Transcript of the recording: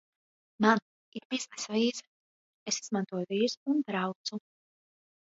Man ir biznesa vīza. Es izmantoju vīzu un braucu.